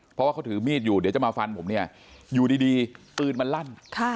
เพราะว่าเขาถือมีดอยู่เดี๋ยวจะมาฟันผมเนี่ยอยู่ดีปืนมันลั่น